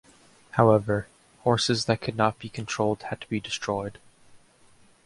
However, horses that could not be controlled had to be destroyed.